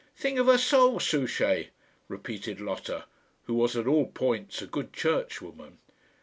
"Think of her soul, Souchey," repeated Lotta, who was at all points a good churchwoman.